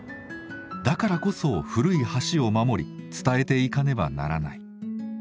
だからこそ古い橋を守り伝えていかねばならない。